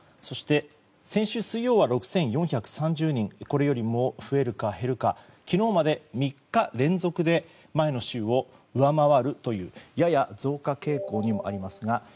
そして、先週水曜は６４３０人これよりも増えるか減るか昨日まで３日連続で前の週を上回るというやや増加傾向にもありますが。